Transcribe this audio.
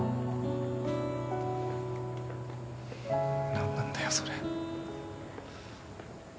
何なんだよそれ。